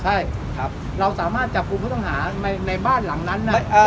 ใช่เราสามารถจับกลุ่มผู้ต้องหาในบ้านหลังนั้นนะ